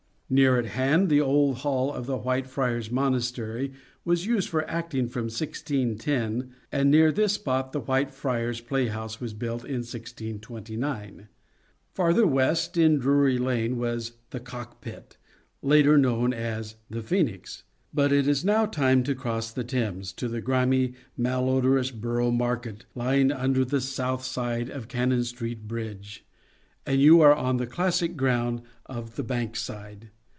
Near at hand the old hall of the White Friars Monastery was used for acting from 1610, and near this spot the White Friars playhouse was built in 1629. Farther west, 6 SHAKESPEAREAN THEATRES in Drury Lane, was " The Cockpit," later known as " The Phoenix." But it is now time to cross the Thames to the grimy, malodorous Borough Market, lying under the south side of Cannon Street bridge, and you are on the classic ground of The Bankside.